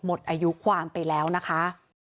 หมดอายุความไปแล้วนะคะ